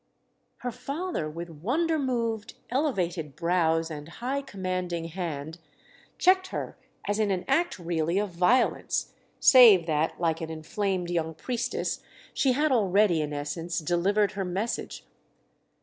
Her father, with wonder moved, elevated brows and high commanding hand, checked her as in an act really of violence—save that, like an inflamed young priestess, she had already, in essence, delivered her message.